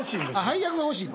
配役が欲しいの？